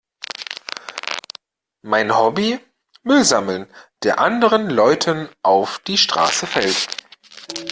Mein Hobby? Müll sammeln, der anderen Leuten auf die Straße fällt.